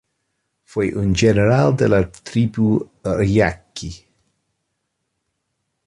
Fue un general de la tribu yaqui.